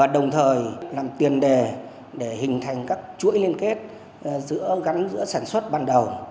đồng thời làm tiền đề để hình thành các chuỗi liên kết gắn giữa sản xuất ban đầu